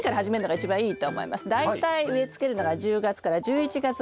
大体植えつけるのが１０月から１１月ぐらい。